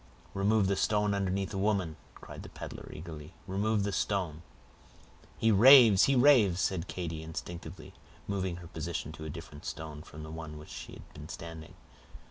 "Remove the stone underneath the woman," cried the peddler, eagerly—"remove the stone." "He raves! he raves!" said Katy, instinctively moving her position to a different stone from the one on which she had been standing.